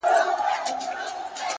نظم د ګډوډ ژوند تارونه سره نښلوي!